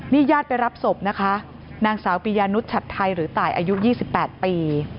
นี่ญาติไปรับศพนะคะนางสาวปียานุชชัดไทยหรือตายอายุ๒๘ปี